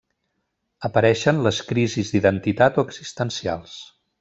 Apareixen les crisis d'identitat o existencials.